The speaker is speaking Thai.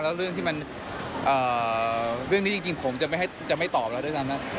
แล้วเรื่องที่มันเรื่องนี้จริงผมจะไม่ตอบแล้วด้วยซ้ำนะ